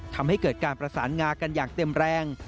ทำให้เกิดการประสานงากันอย่างเต็มแรง